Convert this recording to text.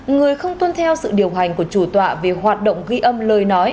người không tuân theo sự điều hành của chủ tọa về hoạt động ghi âm lời nói